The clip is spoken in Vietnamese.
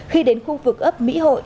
khi đến khu vực ấp mỹ hội